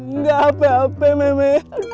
nggak apa apa emeh emeh